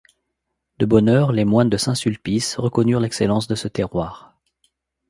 De bonne heure les moines de Saint-Sulpice reconnurent l'excellence de ce terroir.